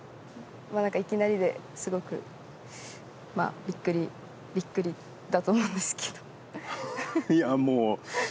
何かいきなりですごくまあびっくりびっくりだと思うんですけどいや